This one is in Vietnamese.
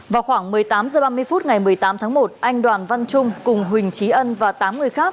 vào khoảng một mươi tám h ba mươi phút ngày một mươi tám tháng một anh đoàn văn trung cùng huỳnh trí ân và tám người khác